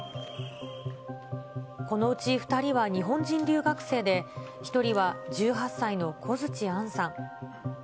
このうち２人は日本人留学生で、１人は１８歳の小槌杏さん。